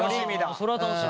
それは楽しみ。